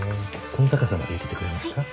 この高さまで入れてくれますか？